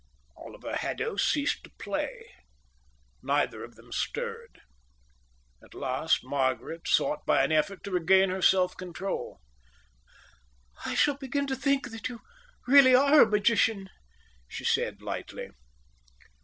Oliver Haddo ceased to play. Neither of them stirred. At last Margaret sought by an effort to regain her self control. "I shall begin to think that you really are a magician," she said, lightly.